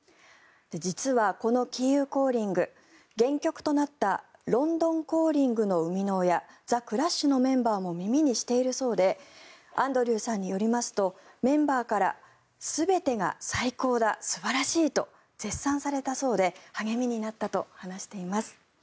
実はこの「キーウ・コーリング」原曲となった「ロンドン・コーリング」の生みの親ザ・クラッシュのメンバーも耳にしているそうでアンドリューさんによりますとメンバーから全てが最高だ、素晴らしいと絶賛されたそうで励みになったと話しています。